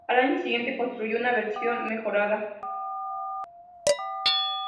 Al año siguiente construyó una versión mejorada.